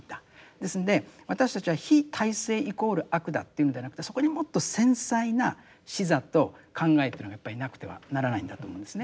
ですんで私たちは非体制イコール悪だというのではなくてそこにもっと繊細な視座と考えというのがやっぱりなくてはならないんだと思うんですね。